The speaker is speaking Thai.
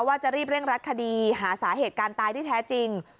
ว่าจะรีบเร่งรัดคดีหาสาเหตุการณ์ตายที่แท้จริง